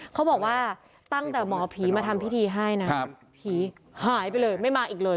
เขาบอกว่าตั้งแต่หมอผีมาทำพิธีให้นะผีหายไปเลยไม่มาอีกเลย